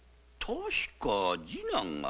確か次男が。